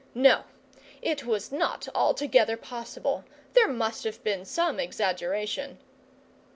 No, it was not altogether possible, there must have been some exaggeration.